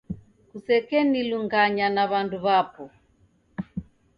Kusekenilunganya na w'andu w'apo